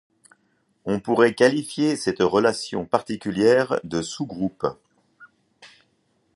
On pourrait qualifier cette relation particulière de sous-groupe.